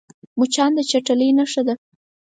مچان د چټلۍ نښه ده